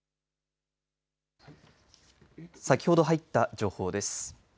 先ほど入った情報です。